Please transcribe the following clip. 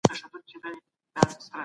دابه بیا سیدال را پاڅي د مرګ توره په غجرو